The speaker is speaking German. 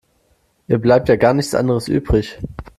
Ihr bleibt ja gar nichts anderes übrig.